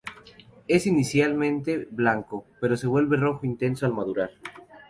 Es inicialmente blanco, pero se vuelve rojo intenso al madurar.